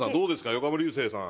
横浜流星さん。